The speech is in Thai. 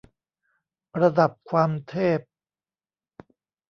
ระดับความเทพ